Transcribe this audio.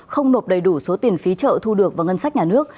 không nộp đầy đủ số tiền phí chợ thu được vào ngân sách nhà nước